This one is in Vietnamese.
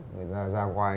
người ta ra ngoài